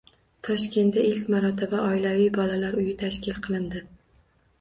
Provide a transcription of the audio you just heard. Toshkentda ilk marotaba Oilaviy bolalar uyi tashkil qilindi